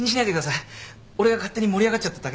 俺が勝手に盛り上がっちゃっただけですから。